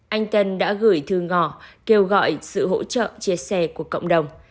anh tân đã gửi thư ngỏ kêu gọi sự hỗ trợ chia sẻ của cộng đồng